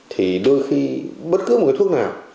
thì đôi khi bất cứ một cái thuốc nào